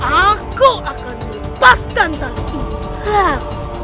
aku akan lepaskan tali ini